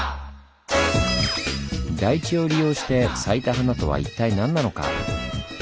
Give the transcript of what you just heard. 台地を利用して咲いた華とは一体何なのか？